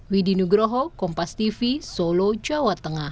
widi nugroho kompas tv solo jawa tengah